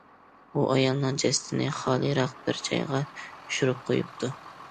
ئۇ ئايالنىڭ جەسىتىنى خالىيراق بىر جايغا يوشۇرۇپ قويۇپتۇ.